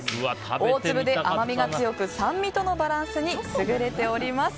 大粒で甘みが強く酸味とのバランスに優れております。